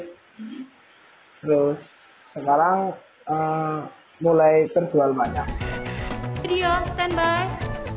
terus sekarang mulai terjual banyak standby